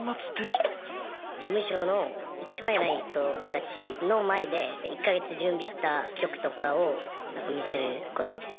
事務所のいちばんえらい人たちの前で１か月準備した曲とかを見せることです。